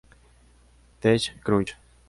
Tech Crunch.